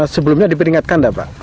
sebelumnya diperingatkan tidak pak